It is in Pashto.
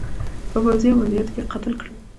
په پوځي عملیاتو کې قتل کړل.